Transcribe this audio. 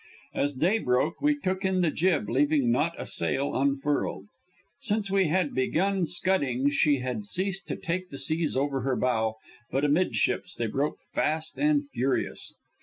As day broke we took in the jib, leaving not a sail unfurled. Since we had begun scudding she had ceased to take the seas over her bow, but amidships they broke fast and furious.